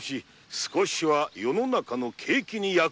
少しは世の中の景気に役立つはず。